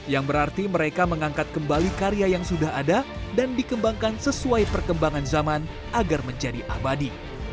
yang berarti mereka mengangkat kembali karya yang sudah ada dan dikembangkan sesuai perkembangan zaman agar menjadi abadi